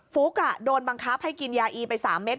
ฟุ๊กโดนบังคับให้กินยาอีไป๓เม็ด